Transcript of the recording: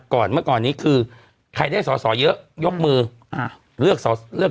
เมื่อก่อนนี้คือใครได้สอสอเยอะยกมืออ่าเลือกสอเลือก